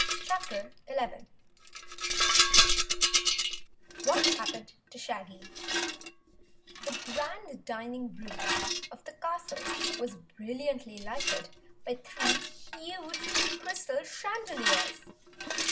CHAPTER 11 What Happened to Shaggy The Grand Dining Room of the castle was brilliantly lighted by three huge crystal chandeliers.